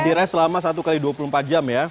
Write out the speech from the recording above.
diraih selama satu x dua puluh empat jam ya